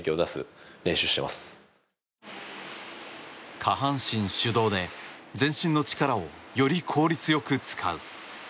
下半身主導で全身の力をより効率よく使う。